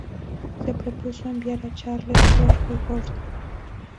Se propuso enviar a Charles George Gordon.